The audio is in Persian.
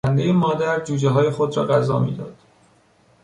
پرندهی مادر جوجههای خود را غذا میداد.